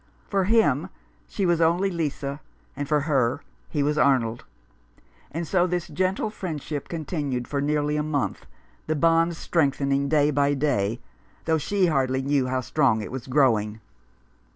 For him she was only Lisa, and for her he was Arnold. And so this gentle friendship continued for nearly a month, the bond strengthening day by day, though she hardly knew how strong it was growing.